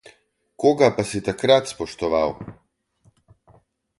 Koga pa si takrat spoštoval?